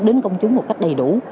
đến công chúng một cách đầy đủ